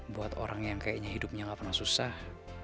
buat orang yang kayaknya hidupnya gak pernah susah